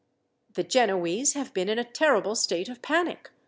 The Genoese have been in a terrible state of panic.